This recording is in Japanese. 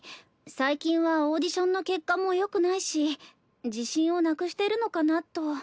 最近はオーディションの結果もよくないし自信をなくしてるのかなと。